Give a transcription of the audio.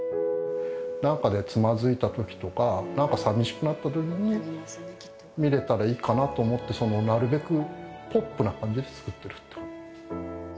なんかでつまずいたときとか、なんかさみしくなったときに、見れたらいいかなと思って、そのなるべく、ポップな感じで作ってる。